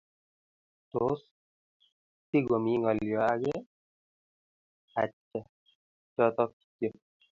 "Tos, tigomi ngolyoo age?"Achicha, choto kityo